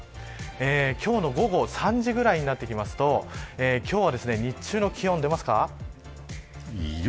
今日の午後３時ぐらいになってくると今日は日中の気温、出ますか。